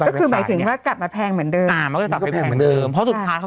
ก็คือหมายถึงกักประแพงเหมือนเกิน